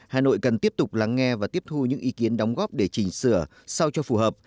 hà nội cần tiếp tục lắng nghe và tiếp thu những ý kiến đóng góp để chỉnh sửa sao cho phù hợp